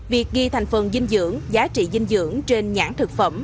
việc ghi thành phần dinh dưỡng giá trị dinh dưỡng trên nhãn thực phẩm